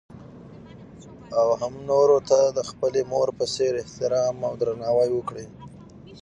او هـم نـورو تـه د خـپلې مـور پـه څـېـر احتـرام او درنـاوى وکـړي.